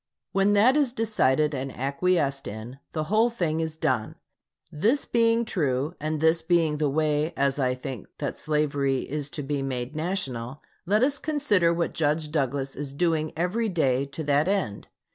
When that is decided and acquiesced in, the whole thing is done. This being true, and this being the way, as I think, that slavery is to be made national, let us consider what Judge Douglas is doing every day to that end.